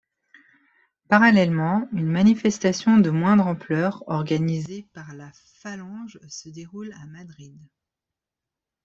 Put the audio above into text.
Parallèlement, une manifestation de moindre ampleur organisée par la Phalange se déroule à Madrid.